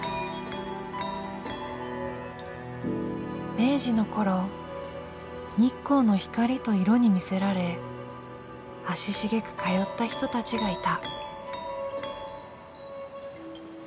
明治の頃日光の光と色に魅せられ足しげく通った人たちがいた。